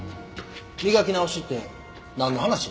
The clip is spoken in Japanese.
磨き直しってなんの話？